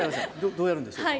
どうやるんでしょうか？